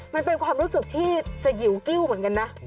มันเป็นความรู้สึกที่สยิวกิ้วเหมือนกันนะ